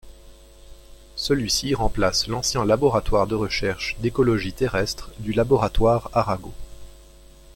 Celui-ci remplace l'ancien laboratoire de recherches d'écologie terrestre du Laboratoire Arago.